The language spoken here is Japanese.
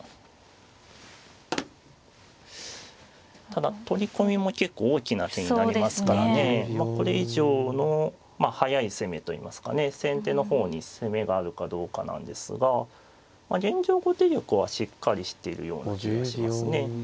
ただ取り込みも結構大きな手になりますからねまあこれ以上の速い攻めといいますかね先手の方に攻めがあるかどうかなんですが現状後手玉はしっかりしてるような気がしますね。